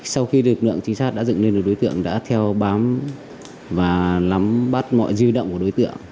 sau khi lực lượng trị sát đã dựng lên đối tượng đã theo bám và lắm bắt mọi dư động của đối tượng